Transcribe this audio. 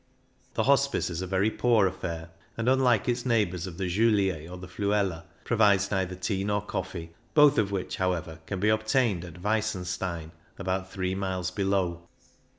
The Hospice is a very poor affair, and, unlike its neighbours of the Julier or Fluela, provides neither tea nor coffee, both of which, however, can be obtained at Weissenstein, about three miles below.